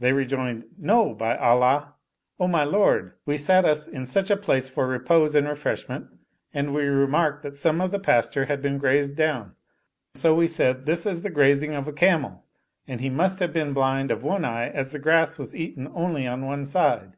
They re joined, "No, by Allah, O my lord. We sat us in such a place for repose and refreshment and we remarked that some of the pasture had been grazed down, so we said : This is the grazing of a camel ; and he must have been blind of one eye as the grass was eaten only on one side.